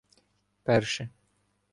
Перше